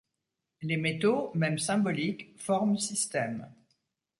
Les métaux, même symboliques, forment système.